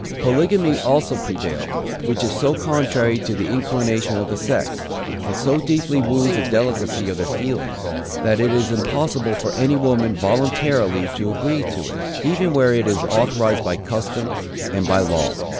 Polygamy also prevailed; which is so contrary to the inclination of the sex, and so deeply wounds the delicacy of their feelings, that it is impossible for any woman voluntarily to agree to it, even where it is authorized by custom and by law.